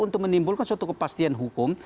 untuk menimbulkan suatu kepastian hukum